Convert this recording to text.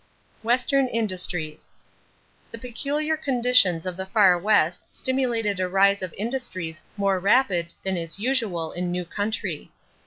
=Western Industries.= The peculiar conditions of the Far West stimulated a rise of industries more rapid than is usual in new country.